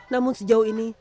namun sejauh ini